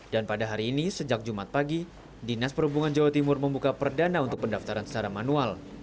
dan pada hari ini sejak jumat pagi dinas perhubungan jawa timur membuka perdana untuk pendaftaran secara manual